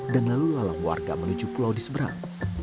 dan lalu lalang warga menuju pulau di seberang